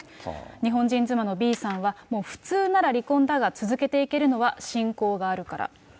日本人妻のＢさんは、普通なら離婚だが、続けていけるのは信仰があるから。